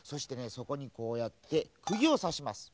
そこにこうやってくぎをさしますね。